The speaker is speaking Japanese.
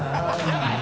やばい！